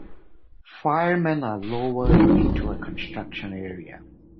Firemen are lowered into a construction area.